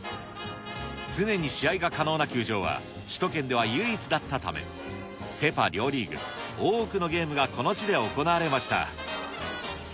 常に試合が可能な球場は、首都圏では唯一だったため、セ・パ両リーグ、多くのゲームがこの地で行われました。